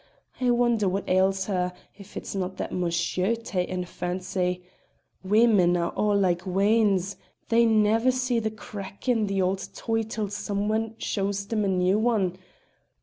I wonder what ails her, if it's no' that mon sher's ta'en her fancy! Women are a' like weans; they never see the crack in an auld toy till some ane shows them a new ane.